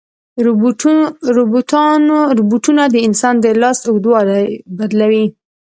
روبوټونه د انسان د لاس اوږدوالی بدلوي.